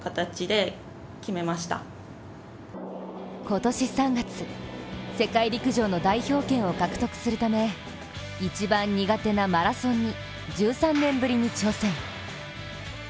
今年３月、世界陸上の代表権を獲得するため一番苦手なマラソンに１３年ぶりに挑戦。